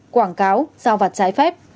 quảng cáo giao vặt trái phép